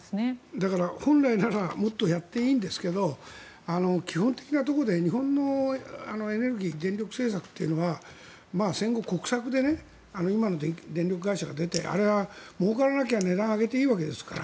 だから、本来ならもっとやっていいんですけど基本的なところで日本のエネルギー電力政策というのは戦後、国策で今の電力会社が出てあれは、もうからないと値段を上げていいわけですから。